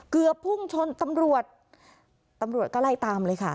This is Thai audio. เกือบพุ่งชนตำรวจตำรวจก็ไล่ตามเลยค่ะ